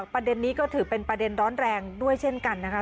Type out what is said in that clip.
ประเด็นนี้ก็ถือเป็นประเด็นร้อนแรงด้วยเช่นกันนะคะ